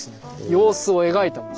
様子を描いたもの。